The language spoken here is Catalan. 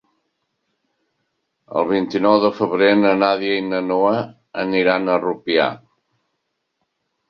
El vint-i-nou de febrer na Nàdia i na Noa aniran a Rupià.